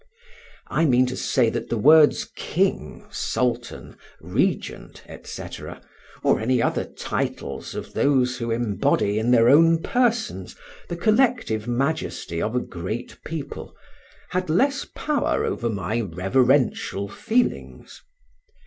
I mean to say that the words king, sultan, regent, &c., or any other titles of those who embody in their own persons the collective majesty of a great people, had less power over my reverential feelings.